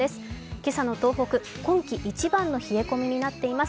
今朝の東北、今季一番の冷え込みになっています。